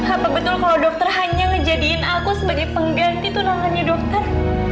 apa betul kalau dokter hanya ngejadiin aku sebagai pengganti tunangannya dokter